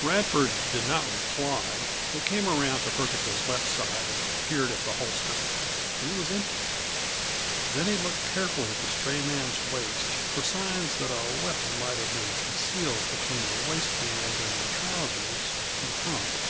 Radford did not reply, but came around to Ferguson's left side and peered at the holster. It was empty. Then he looked carefully at the stray man's waist for signs that a weapon might have been concealed between the waist band and the trousers in front.